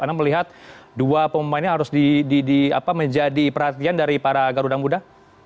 anda melihat dua pemain ini harus menjadi perhatian dari para garuda muda